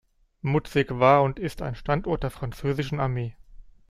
Mutzig war und ist ein Standort der französischen Armee.